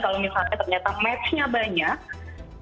kalau misalnya ternyata match nya banyak